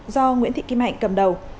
do nguyễn thị kim hạnh cầm đầu